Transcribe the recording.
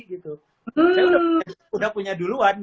saya sudah punya duluan